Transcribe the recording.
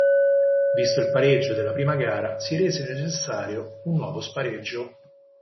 Visto il pareggio della prima gara si rese necessario un nuovo spareggio.